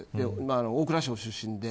大蔵省出身で。